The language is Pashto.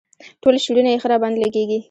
ټول شعرونه یې ښه راباندې لګيږي.